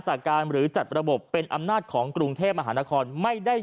สาการหรือจัดระบบเป็นอำนาจของกรุงเทพมหานครไม่ได้